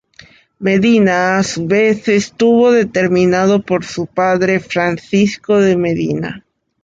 Medina, a su vez, estuvo determinado por su padre, Francisco de Medina.